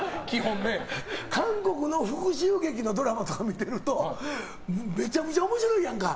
韓国の復讐劇のドラマとか見てるとめちゃくちゃ面白いやんか。